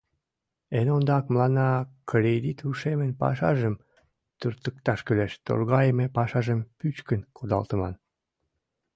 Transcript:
Эн ондак мыланна кредит ушемын пашажым туртыкташ кӱлеш, торгайыме пашажым пӱчкын кудалтыман.